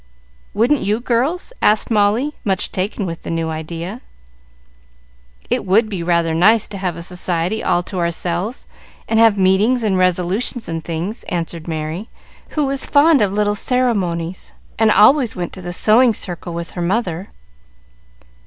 Wouldn't you, girls?" asked Molly, much taken with the new idea. "It would be rather nice to have a society all to ourselves, and have meetings and resolutions and things," answered Merry, who was fond of little ceremonies, and always went to the sewing circle with her mother.